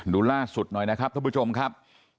ดูล่าสุดหน่อยนะครับท่านผู้ชมครับ